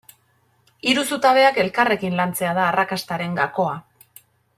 Hiru zutabeak elkarrekin lantzea da arrakastaren gakoa.